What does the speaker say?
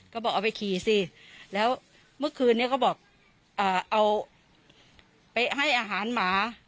ก็บอกเอาไปขี่สิแล้วเมื่อคืนนี้เขาบอกเอาไปให้อาหารหมา